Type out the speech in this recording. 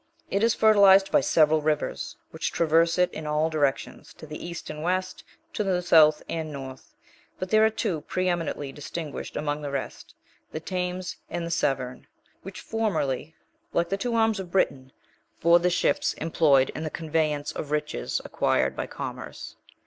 It is fertilized by several rivers, which traverse it in all directions, to the east and west, to the south and north; but there are two pre eminently distinguished among the rest, the Thames and the Severn, which formerly, like the two arms of Britain, bore the ships employed in the conveyance of riches acquired by commerce.